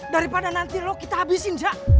daripada nanti lo kita habisin cak